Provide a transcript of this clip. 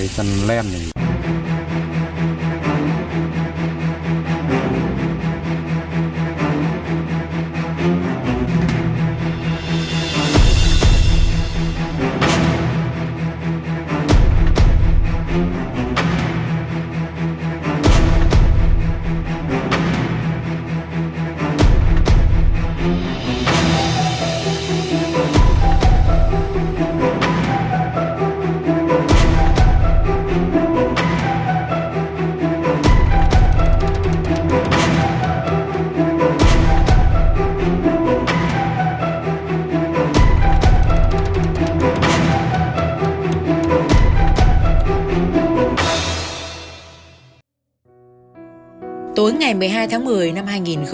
hai mươi hai tháng một mươi năm hai nghìn hai mươi ba